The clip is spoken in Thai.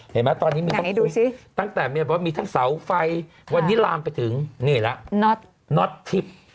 เห็นไหมตอนนี้มีทั้งสาวไฟวันนี้ลามไปถึงนี่แหละน็อตน็อตทิพย์